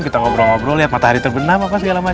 kita ngobrol ngobrol liat matahari terbenam apa segala macem